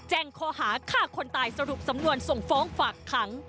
ข้อหาฆ่าคนตายสรุปสำนวนส่งฟ้องฝากขัง